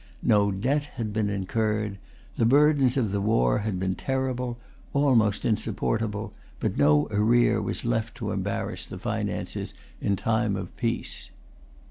No debt had been incurred. The burdens of the war had been terrible, almost insupportable; but no arrear was left to embarrass the finances in time of peace.